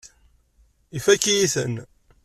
Ifakk-iyi-ten.